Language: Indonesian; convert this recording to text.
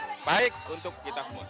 yang baik untuk kita semua